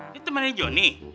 ini temennya johnny